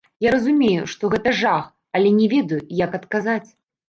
Я разумею, што гэта жах, але не ведаю, як адказаць.